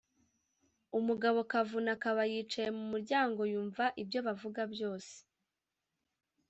umugabokavuna akaba yicaye mu muryango yumva ibyo bavuga byose.